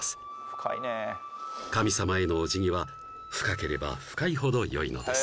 深いね神さまへのおじぎは深ければ深いほどよいのです